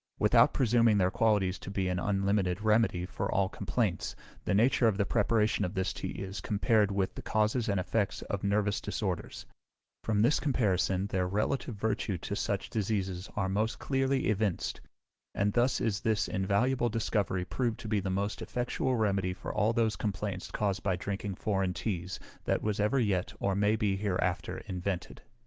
Without presuming their qualities to be an unlimited remedy for all complaints, the nature of the preparation of this tea is compared with the causes and effects of nervous disorders: from this comparison their relative virtue to such diseases are most clearly evinced: and thus is this invaluable discovery proved to be the most effectual remedy for all those complaints caused by drinking foreign teas, that was ever yet or may be hereafter invented.